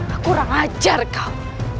aku kurang ajar kau